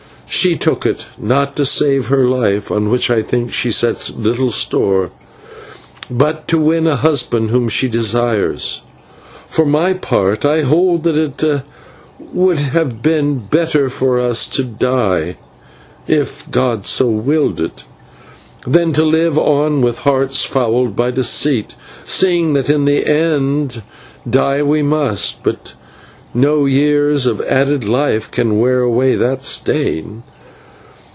"She took it, not to save her life, on which I think she sets little store, but to win a husband whom she desires. For my part I hold that it would have been better for us to die, if God so willed it, than to live on with hearts fouled by deceit, seeing that in the end die we must, but no years of added life can wear away that stain.